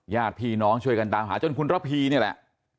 ญาติพี่น้องช่วยกันตามหาจนคุณระพีนี่แหละ